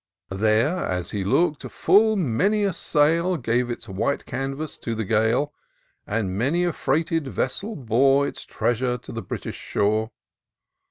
There, as he look'd, full many a sail Gave its white canvass to the gale. And many a freighted vessel bore Its treasure to the British shore.